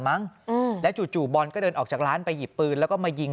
มั้งอืมแล้วจู่จู่บอลก็เดินออกจากร้านไปหยิบปืนแล้วก็มายิง